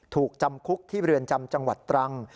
ถูกจำคุกที่เรือนจำจังหวัดตรัง